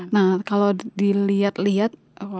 nah kalau dilihat lihat